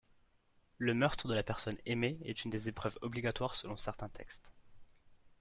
Le meurtre de la personne aimée est une des épreuves obligatoires selon certains textes.